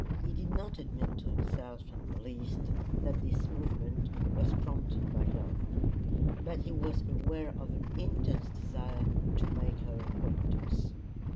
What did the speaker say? He did not admit to himself in the least that this movement was prompted by love; but he was aware of an intense desire to make her acquaintance.